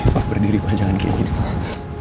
pak berdiri pak jangan kayak gini pak